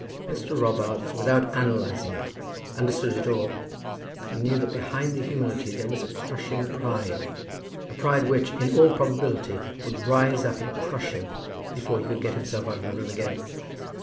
Mr. Robarts, without analysing it, understood it all, and knew that behind the humility there was a crushing pride, a pride which, in all probability, would rise up and crush him before he could get himself out of the room again.